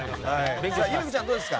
由美ちゃん、どうですか。